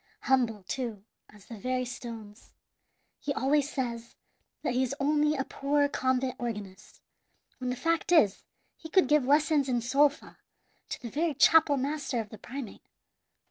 "Humble, too, as the very stones. He always says that he is only a poor convent organist, when the fact is he could give lessons in sol fa to the very chapel master of the primate.